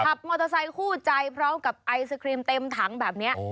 ขับมอเตอร์ไซคู่ใจพร้อมกับไอศครีมเต็มถังแบบนี้